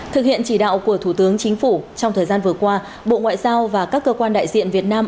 thực hiện chỉ đạo của thủ tướng chính phủ trong thời gian vừa qua bộ ngoại giao và các cơ quan đại diện việt nam